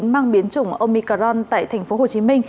mang biến chủng omicron tại tp hcm